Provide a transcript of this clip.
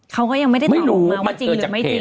เขาก็ยังไม่ได้สรุปนะว่าจริงหรือไม่จริง